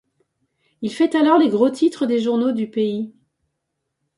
Il fait alors les gros titres des journaux du pays.